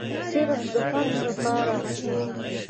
صرف د خوند د پاره خوري